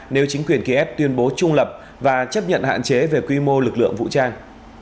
nếu chính quyền kiev tuyên bố trung lập và chấp nhận hạn chế về quy mô lực lượng vũ trang